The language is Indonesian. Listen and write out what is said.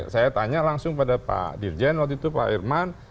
saya tanya langsung pada pak dirjen waktu itu pak irman